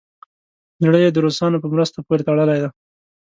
زړه یې د روسانو په مرستو پورې تړلی دی.